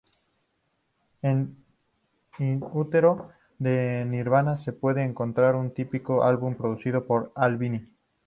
En "In Utero", de Nirvana, se puede encontrar un típico álbum producido por Albini.